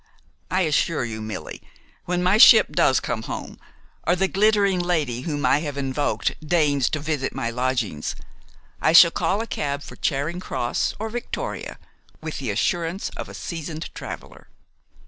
I assure you, Millie, when my ship does come home, or the glittering lady whom I have invoked deigns to visit my lodgings, I shall call a cab for Charing Cross or Victoria with the assurance of a seasoned traveler."